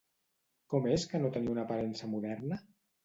Com és que no tenia una aparença moderna?